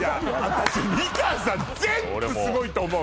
私美川さん全部すごいと思う